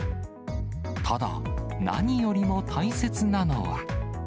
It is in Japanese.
ただ、何よりも大切なのは。